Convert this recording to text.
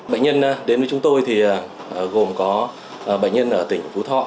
bệnh nhân đến với chúng tôi thì gồm có bệnh nhân ở tỉnh phú thọ